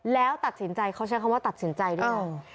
แล้วตัดสินใจเขาใช้คำว่าตัดสินใจด้วยนะ